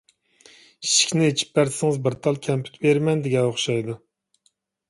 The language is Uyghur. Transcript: ئىشىكنى ئېچىپ بەرسىڭىز بىر تال كەمپۈت بېرىمەن، دېگەن ئوخشايدۇ.